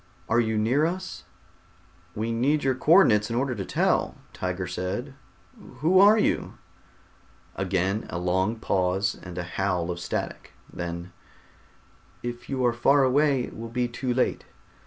Are you near to us?" "We need your co ordinates in order to tell," Tiger said. "Who are you?" Again a long pause and a howl of static. Then: "If you are far away it will be too late.